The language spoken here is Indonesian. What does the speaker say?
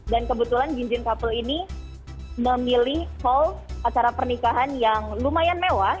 dan kebetulan jinjin couple ini memilih hall acara pernikahan yang lumayan mewah